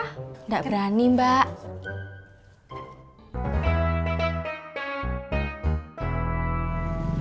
gak berani mbak